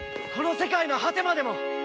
この世界の果てまでも！